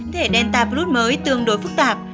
thể delta blut mới tương đối phức tạp